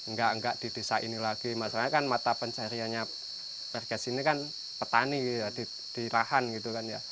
nggak di desa ini lagi maksudnya kan mata pencariannya warga sini kan petani di lahan gitu kan ya